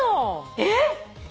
えっ？